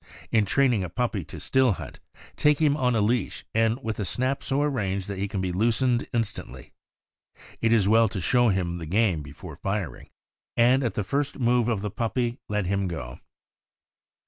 In training a puppy to still hunt, take him on a leash, and with a snap so arranged that he can be loosened instantly. It is well to show him the game before firing, and at the first move of the puppy let him go.